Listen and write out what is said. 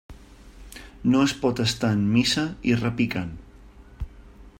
No es pot estar en missa i repicant.